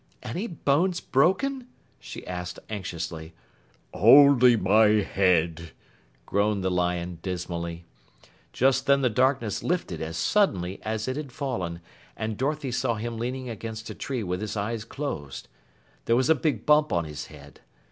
"Any bones broken?" she asked anxiously. "Only my head," groaned the lion dismally. Just then the darkness lifted as suddenly as it had fallen, and Dorothy saw him leaning against a tree with his eyes closed. There was a big bump on his head.